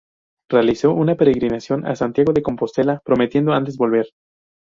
Realizó una peregrinación a Santiago de Compostela, prometiendo antes volver.